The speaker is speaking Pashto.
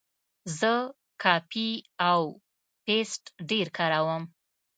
زه کاپي او پیسټ ډېر کاروم.